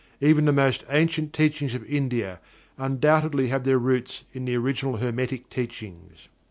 Even the most ancient teachings of India undoubtedly have their roots in the original Hermetic Teachings.